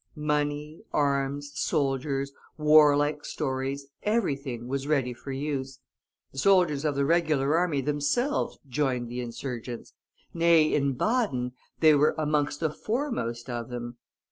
Money, arms, soldiers, warlike stores, everything was ready for use. The soldiers of the regular army themselves joined the insurgents; nay, in Baden, they were amongst the foremost of them.